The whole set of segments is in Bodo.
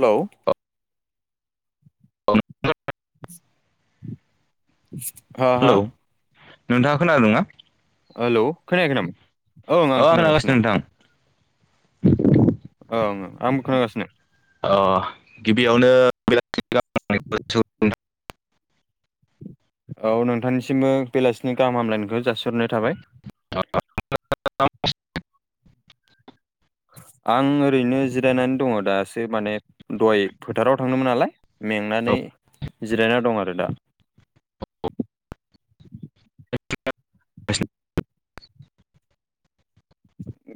हेलौ [unintelligible] हा हा हेलौ नोंथाङा खोनादोंङा हेल' खोनायाखै नाम औ आं खोंना गासिनो नोंथां ओं आंबो खोनागासिनो अ गिबियावनो औ नोंथांनिसिमबो बेलासिनि गाहाम हामलायनायखौ जासिहरनाय थाबाय [unintelligible] आं ओरैनो जिरायनानै दङ दासो माने दय फोथाराव थांनोमोन नालाय मेंनानै जिरायना दं आरो दा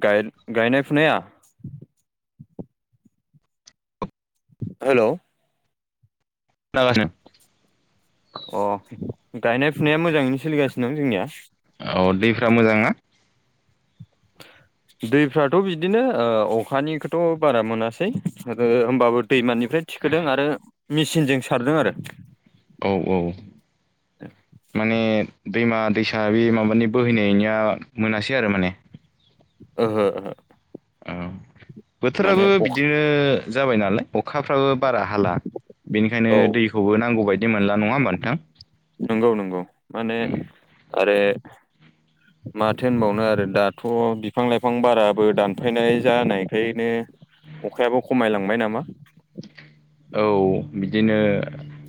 गायनाय फुनाया हेल' अ गायनाय फुनाया मोजाङैनो सोलिगासिनो दं जोंनिया औ दैफ मोजां ना दैफ्राथ' बिदिनो अखानिखौथ' बारा मोनासै होनोमबाबो दैमानिफ्राय थिखोदों आरो मेचिनजों सारदों आरो औ औ माने दैमा दैसा बे माबानि बोहैनायनिया मोनासै आरो माने ओहो ओहो औ माने बोथोराबो अखा बिदिनो जाबाय नालाय अखाफ्राबो बारा हाला बेनिखायनो औ दैखौबो नांगौ बायदि मोनला नङा होमबा नोंथां नंगौ नंगौ माने आरो माथो होनबावनो आरो दाथ' बिफां लाइफां बाराबो दानफायनाय जानायखायनो अखायाबो खमायलांबाय नामा? औ बिदिनो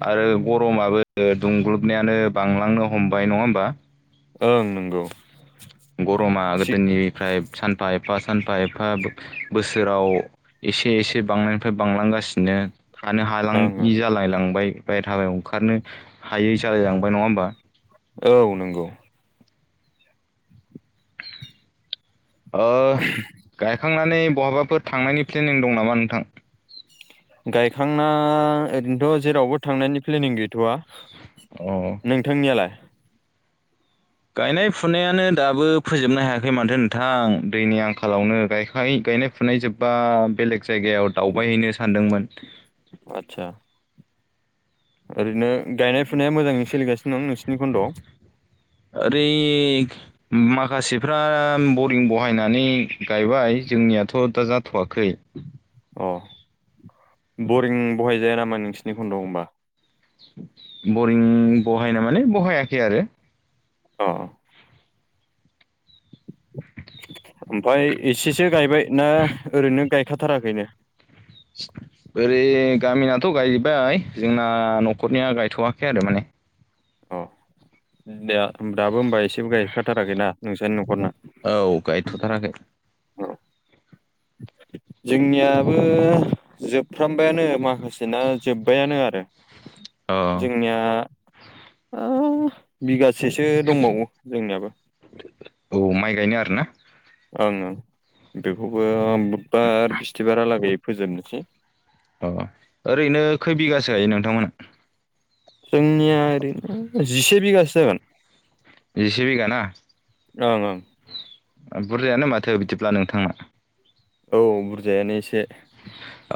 आरो गरमाबो दुंग्लुबनायानो बांलांनो हमबाय नङा होमबा? ओं नोंगौ। गरमा गोदोनिफ्राय सानफा एफा सानफा एफा बो-बोसोराव एसे एसे बांनायनिफ्राय बांलांगासिनो। थानो ओं ओं हालांङि जालायलांबाय बायह्रायाव ओंखारनो हायै जालायलांबाय नङा होमबा? औ नंगौ। ओ गायखांनानै बहाबाफोर थांनायनि फ्लेनिं दं नामा नोंथां? गायखांना ओरैनोथ' जेरावबो थांनायनि फ्लेनिं गैथ'वा। औ नोंथांनियालाय? गायनाय-फुनायानो दाबो फोजोबनो हायाखै माथो नोंथां दैनि आंखालावनो गायखाङि गायनाय - फुनाय जोब्बा बेलेग जायगायाव दावबायहैनो सानदोंमोन। आतसा ओरैनो गायनाय-फुनाया मोजाङै सोलिगासिनो दं नोंसिनि खन्द'आव? ओरै माखासेफ्रा बरिं बहायनानै गायबाय जोंनियाथ' दा जाथ'वाखै। अ बरिं बहायजाया नामा नोंसोरनि खन्द' आव होमबा? बरिं बहायना माने बहायाखै आरो अ ओमफाय एसेसो गायबाय ना ओरैनो गायखाथाराखैनो? ओरै गामिनाथ' गायबाय जोंना न'खरनिया गायथ'वाखै आरो माने। अ दे दाबो होमबा एसेबो गायहैखाथाराखैनाा नोंसोरनि न'खरना? औ गायथ' थाराखै। जोंनियाबो जोबफ्रामबायानो माखासेना जोब्बायानो आरो। अ जोंनिया ओ बिगासेसो दंबावो जोंनियाबो। औ माइ गायनो आरो ना? ओं ओं बेखौबो बुधबार बिस्थिबारालागै फोजोबनोसै। अ ओरैनो खै बिगासो हायो नोंथांमोनहा? जोंनिया ओरैनो जिसे बिगासो जागोन। जिसे बिघााना ओ बुरजायानो माथो बिदिब्ला नोंथांना। औ बुरजायानो एसे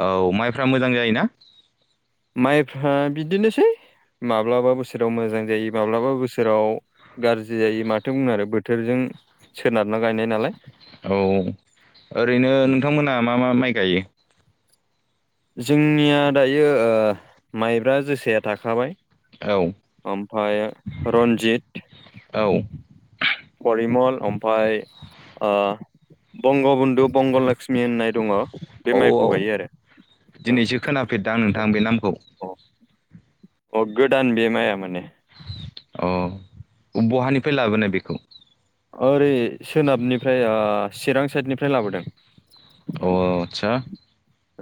औ माइफ्रा मोजां जायोना? माइफ्रा बिदिनोसै माब्लाबा बोसोराव मोजां जायो माब्लाबा बोसोराव गाज्रि जायो माथो बुंआरो बोथोरजों सोनारना गायनाय नालाय। औ ओरैनो नोंथांमोनहा मा मा माइ गायो? जोंनिया दायो ओ माइब्रा जोसाया थाखाबाय औ ओमफ्रायो रन्जित औ फरिमल ओमफाय ओ बंग बन्धु बंग लक्ष्मि होननाय दङ। बे औ औ माइखौ गायो आरो दिनैसो खोनाफेरदां आं नोंथां बे नामखौ। अ अ गोदान बे माया माने। अ बहानिफ्राय लाबोनाय बेखौ? ओरै सोनाबनिफ्राय ओ चिरां साइडनिफ्राय लाबोदों। औ औ आदसा।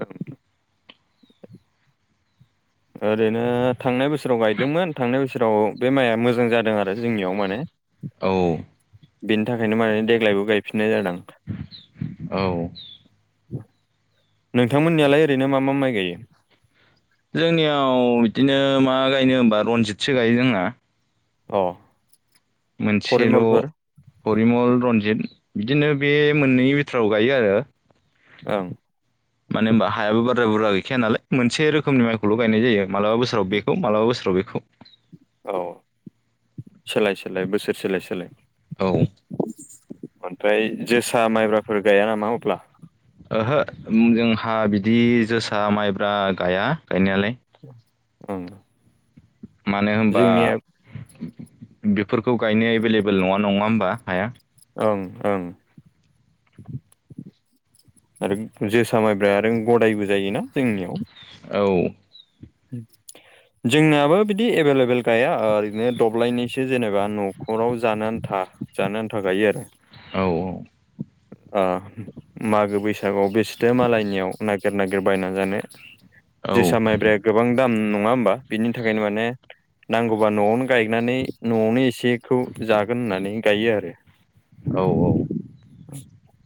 ओं ओरैनो थांनाय बोसोराव गायदोंमोन थांनाय बोसोराव बे माइआ मोजां जादों आरो जोंनियाव माने। औ बिनि थाखायनो माने देग्लायबो गायफिननाय जादों। औ नोंथांमोननियालाय ओरैनो मा मा माइ गायो? जोंनियाव इदिनो मा गायनो हबा रनजितसो गायो जोंहा। अ मोनसेल' परिमलफोर हरिमल रनजित बिदिनो बे मोननै बिथोराव गायो आरो ओं मानो होमबा हायाबो बारा बुरजा गैखाया नालाय मोनसे रोखोमनि माइखौल' गायनाय जायो। मालाबा बोसोराव बेखौ मालाबा बोसोराव बेखौ। औ सोलाय सोलाय बोसोर सोलाय सोलाय औ ओमफ्राय जोसा माइब्राफोर गाया नामा अब्ला? ओहो जोंहा बिदि जोसा माइब्रा गाया गायनायालाय उम मानो होनबा बेफोरखौ गायनो एभेलेबल नङा नङा होमबा हाया। ओं ओं आरो जोसा माइब्रा आरो गदायबो जायोना जोंनियाव औ [inaudible] जोंनाबो बिदि एभेलेबेल गाया ओरैनो दब्लायनसो जेनेबा न'खराव जानो आन्था जानो आन्था गायो आरो औ औ ओ मागो बैसागुआव बिसोथो मालायनियाव नागिर नागिरबायना जानो औ जोसा माइब्रा गोबां दाम नङा होमबा बिनि थाखायनो माने नांगौबा न'आवनो गायनानै न'आवनो एसेखौ जागोन होननानै गायो आरो औ औ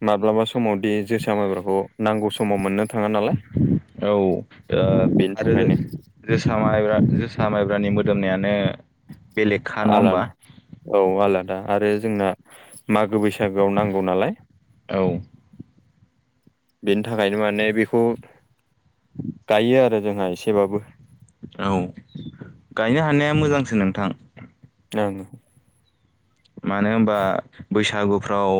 माब्लाबा समावदि जोसा माइब्राखौ नांगौ समाव मोननो थाङा नालाय औ ओ बेनि आरो थाखायनो जोसा माइब्रा जोसा माइब्रानि मोदोमनायानो बेलेगखा नङा होमबा आलादा औ आलादा आरो जोंना मागो बैसागोआव नांगौ नालाय औ बेनि थाखायनो माने बेखौ गायो आरो जोंहा एसेबाबो औ गायनो हानाया मोजांसो नोंथां ओं मानो होनबा बैसागुफ्राव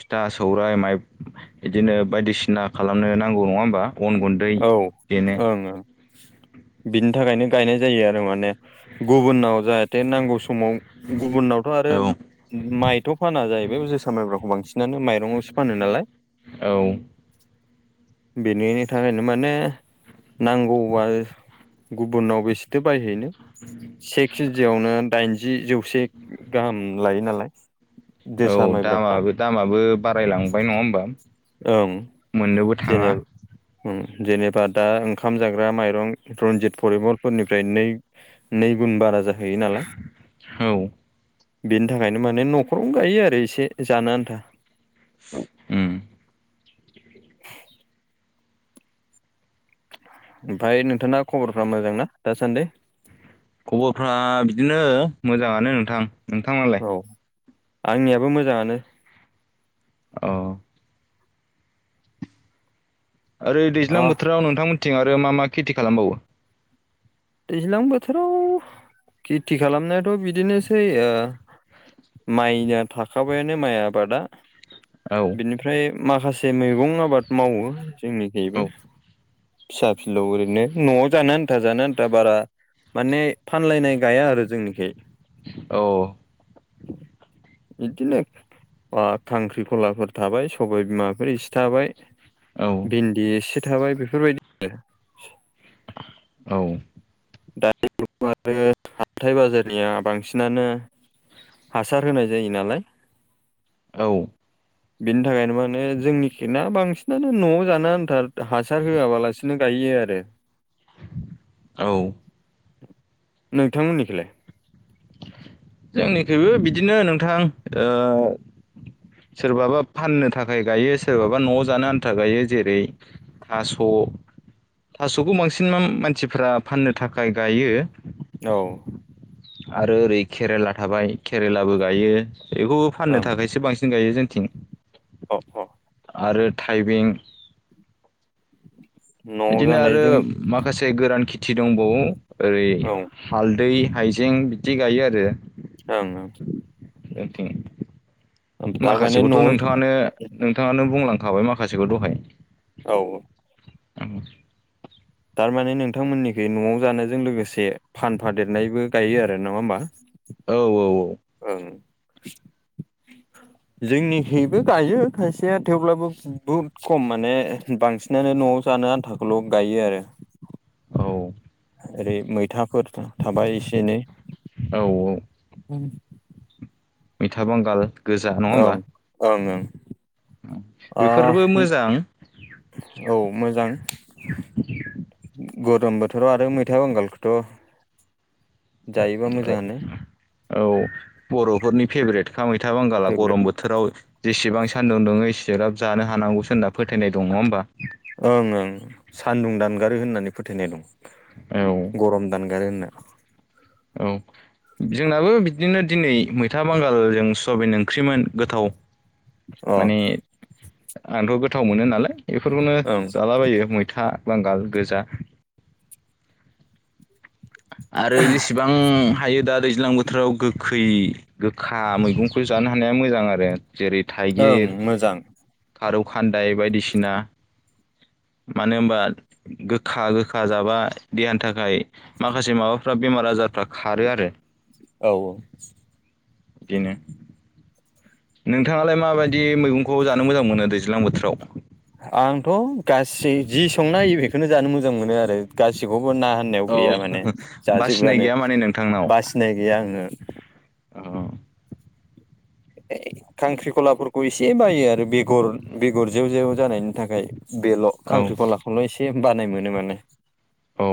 फिथा सौराइ माइ इदिनो बायदिसिना खालामनो नांगौ नङा होमबा अन गुन औ ओं ओं बिनि थाखायनो गायनाय जायो आरो माने गुबुनाव जाहाथे नांगौ समाव गुबुनावथ' आरो औ माइथ' फाना जाहैबाय जोसा माइब्राखौ बांसिनानो माइरंआवसो फानो नालाय [inaudible] बेनिनो थाखायनो माने नांगौबा गुबुनाव बेसेथो बायहैनो से केजियावनो दाइनजि जौसे गाहाम लायो नालाय औ जोसा माइब्राफ्रा दामाबो दामाबो बारायलांबाय नङा होमबा ओं मोननोबो जेने थाङा उम जेनेबा दा ओंखाम जाग्रा माइरं रनजिथ फरिमलफोरनिफ्राय नै नै गुन बारा जाहैयो नालाय। औ बेनि थाखायनो माने न'खरावनो गायो आरो एसे जानो आन्था। उम [inaudible] ओमफाय नोंथांना खबरफ्रा मोजां ना दासान्दि? खबरफ्रा बिदिनो मोजाङानो नोंथां नोंथाङो औ आंनियाबो मोजाङानो। औ ओरै दैज्लां अ बोथोराव नोंथांमोननिथिं आरो मा मा खेथि खालामबावो? दैज्लां बोथोराव खेथि खालामनायाथ' बिदिनोसै ओ माइया थाखाबायानो माइ आबादा औ बिनिफ्राय माखासे मेगं आबाद मावो जोंनि औ खैबो। फिसा फिलौ ओरैनो न'आव जानो आन्था जानो आन दा बारा माने फानलायनाय गाया आरो जोंनिखै औ इदिनो अ' थांख्रिखलाफोर थाबाय सबाय बिमाफोर इसे थाबाय। औ भिन्दि एसे थाबाय बेफोरबाय औ दानि [unintelligible] आरो हाथाय बाजारनिया बांसिनानो हासार होनाय जायो नालाय। औ बिनि थाखायनो मानो जोंनि खिना बांसिनानो न'आव जानो आन्था हासार होआ बालासिनो गायो आरो। औ नोंथांमोननिखैलाय जोंनिखैबो बिदिनो नोंथां। ओ सोरबाबा फाननो थाखाय गायो। सोरबाबा न'आव जानो आन्था गायो। जेरै थास' थास'खौ बांसिन माम मानसिफ्रा फाननो थाखाय गायो। औ आरो ओरै केरेला थाबाय केरेलाबो गायो एखु फाननो ओं थाखायसो बांसिन गायो जोंथिं। अ' अ' आरो थायबें न'आव इदिनो आरो जानायजों माखासे गोरान खेथि दंबावो। ओरै औ हालदै, हायजें बिदि गायो आरो। ओं ओं ओ थिं ओं थारमाने माखासेखौथ' न'आव नोंथाङानो नोंथाङानो बुंलांखाबाय माखासेखौ दहाय। औ औ थारमाने नोंथांमोननिखै न'आव जानायजों लोगोसे फानफादेरनायबो गायो आरो नङा होमा? औ औ औ ओं [inaudible] जोंनिखैबो गायो खायसेया थेवब्लाबो बुब खम माने बांसि नानो न'आव जानो आन्थाखौल' गायो आरो। औ ओरै मैथाफोर थाबाय एसे एनै औ उम मिथा बंगाल। ओं ओं ओं। ओ बेफोरबो मोजां औ मोजां। गरम बोथोराव आरो मैथा बांगालखौथ' जायोबा ओ मोजाङानो औ बर'फोरनि फेभरेट का मैथा बांगाला फेभ्रेट गरम बोथ थोराव जेसेबां सान्दुं दुङो एसेराब जानो हानांगौसो होनना फोथायनाय दं नङा होनोमबा। ओं ओं सान्दुं दानगारो होननानै फोथायनाय दं औ गरम दानगारो होनना। औ। जोंनाबो बिदिनो दिनै मैथा बांगालजों सेवाबिन ओंख्रिमोन गोथाव। माने अ आंथ' गोथाव मोनो नालाय बेफोरखौनो ओं जालाबायो मै था बांगाल गोजा। आरो जेसेबां हायो दा दैज्लां बोथोराव गोखै गोखा मैगंखौ जानो हानाया मोजां आरो। जेरै ओं थाइगिर मोजां थारौ खान्दाय बायदिसिना। मानो होनबा गोखा गोखा जाबा देहानि थाखाय माख खासे माबाफ्रा बेमार आजारफ्रा खारो आरो। औ औ। बिदिनो। नोंथाङालाय माबायदि मैगंखौ जानो मोजां मोनो दैज्लां बोथोराव? आंथ' गासि जि संनाय बेखौनो जानो मोजां मोनो आरो गासिबावबो ना होननायाव औ गैया माने बासिनाय जाजोबोआनो गैया माने नोंथांनाव बासिनाय गैया आङो। औ [inaudible] खांख्रिखलाफोरखौ एसे बायो आरो बेगर- बेगर जेव जेव जानायनि थाखाय बेल'। औ खांख्रिखलाखौल' एसे बानाय मोनो माने। औ।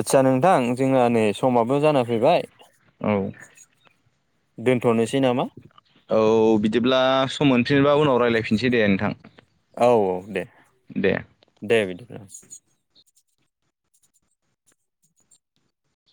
आदसा नोंथां जोंहा नै समाबो जाना फैबाय। औ। दोनथ'नोसै नामा? औ बिदिब्ला सम मोनफिनबा उनाव रायज्लायफिनसै दे नोंथां। औ औ दे। दे। दे बिदिब्ला।